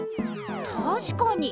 たしかに。